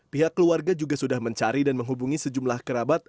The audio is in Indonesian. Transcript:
pihak keluarga juga sudah mencari dan menghubungi sejumlah kerabat